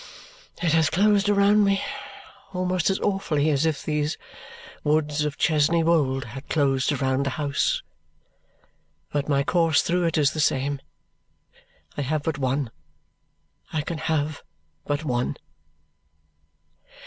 It has closed around me almost as awfully as if these woods of Chesney Wold had closed around the house, but my course through it is the same. I have but one; I can have but one."